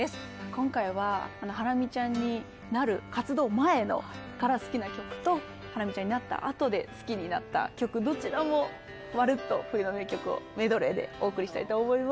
今回はハラミちゃんになる活動前から好きな曲とハラミちゃんになったあとで好きになった曲どちらもまるっと冬の名曲をメドレーでお送りしたいと思います。